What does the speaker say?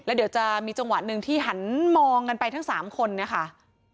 แล้วเดี๋ยวจะมีจังหวะหนึ่งที่หันมองกันไปทั้งสามคนนะคะ